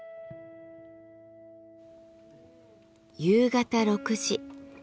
夕方６時。